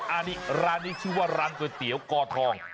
อันนี้ร้านนี้ชื่อว่าร้านก๋วยเตี๋ยวกอทอง